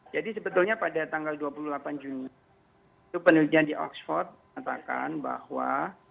jadi sebetulnya pada tanggal dua puluh delapan juni penelitian di oxford katakan bahwa